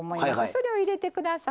それを入れてください。